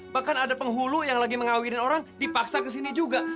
bahkan ada penghulu yang lagi mengawirin orang dipaksa kesini juga